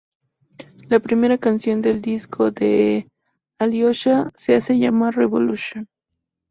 La primera canción del disco de Alyosha se hace llamar "Revolution".